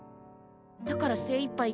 だから精いっぱい